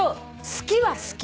好きは好き。